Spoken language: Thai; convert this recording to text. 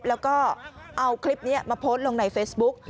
แล้วก็เอาคลิปนี้มาโพสต์ลงในเฟซบุ๊ก